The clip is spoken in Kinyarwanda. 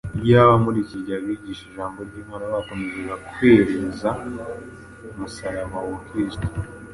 Iyaba muri iki gihe abigisha ijambo ry’Imana bakomezaga kwerereza umusaraba wa Kristo,